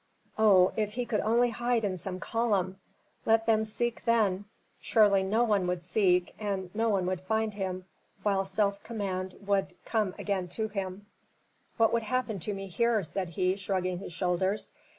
Oh, if he could only hide in some column! Let them seek then Though surely no one would seek, and no one would find him, while self command would come again to him. "What can happen to me here?" said he, shrugging his shoulders.